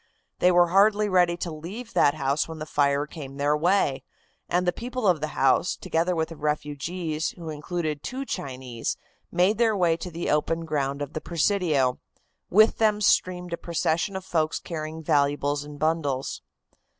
They were hardly ready to leave that house when the fire came their way, and the people of the house, together with the refugees, who included two Chinese, made their way to the open ground of the Presidio. With them streamed a procession of folks carrying valuables in bundles.